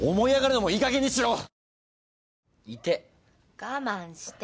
我慢して。